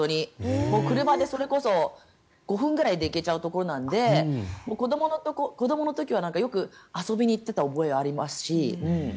車でそれこそ５分くらいで行けちゃうところなので子どもの時は、よく遊びに行っていた覚えがありますし。